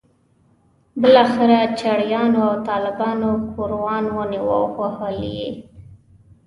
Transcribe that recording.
بالاخره چړیانو او طالبانو ګوروان ونیو او وهل یې.